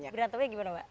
berantemnya gimana mbak